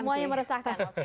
semuanya meresahkan oke